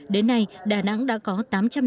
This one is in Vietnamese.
đến nay đà nẵng đã có tám trăm linh triệu đồng